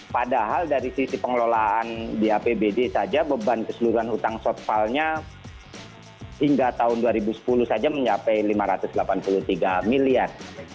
padahal dari sisi pengelolaan di apbd saja beban keseluruhan hutang sotvalnya hingga tahun dua ribu sepuluh saja mencapai lima ratus delapan puluh tiga miliar